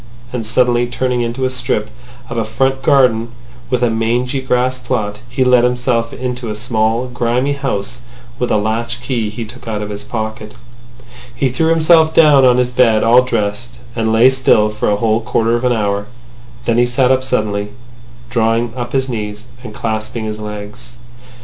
And suddenly turning into a strip of a front garden with a mangy grass plot, he let himself into a small grimy house with a latch key he took out of his pocket. He threw himself down on his bed all dressed, and lay still for a whole quarter of an hour. Then he sat up suddenly, drawing up his knees, and clasping his legs.